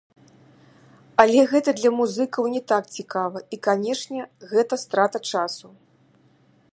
Але гэта для музыкаў не так цікава, і, канешне, гэта страта часу.